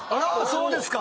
そうですか！